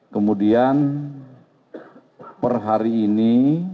kemudian per hari ini